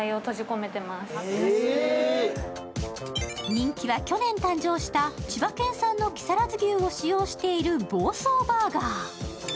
人気は去年誕生した千葉県産の木更津牛を使用している房総バーガー。